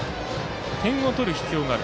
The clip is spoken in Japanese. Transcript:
点を取る必要がある。